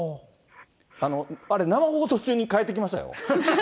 あれ、生放送中に返ってきましたよ。